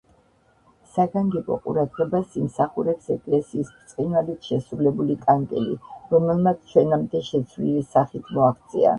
საგანგებო ყურადღებას იმსახურებს ეკლესიის ბრწყინვალედ შესრულებული კანკელი, რომელმაც ჩვენამდე შეცვლილი სახით მოაღწია.